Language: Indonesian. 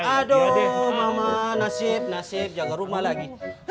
aduh aduh mama nasib nasib jaga rumah lagi